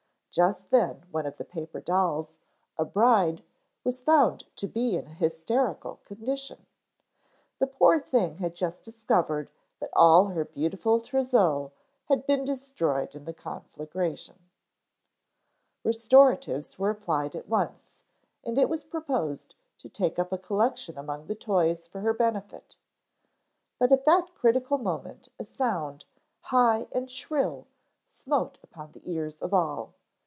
Just then one of the paper dolls, a bride, was found to be in an hysterical condition. The poor thing had just discovered that all her beautiful trousseau had been destroyed in the conflagration. Restoratives were applied at once and it was proposed to take up a collection among the toys for her benefit. But at that critical moment a sound, high and shrill, smote upon the ears of all.